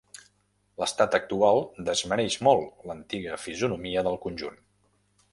L'estat actual desmereix molt l'antiga fisonomia del conjunt.